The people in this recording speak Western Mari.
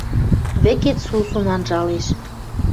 Вӹкет сусун анжалеш...